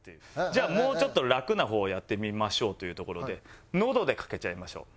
じゃあもうちょっと楽な方をやってみましょうというところで喉でかけちゃいましょう。